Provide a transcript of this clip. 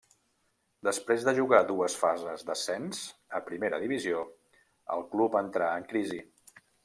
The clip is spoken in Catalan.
Després de jugar dues fases d'ascens a primera divisió el club entrà en crisi.